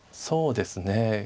そうですね。